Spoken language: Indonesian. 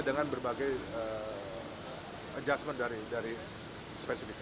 dengan berbagai adjustment dari spesifik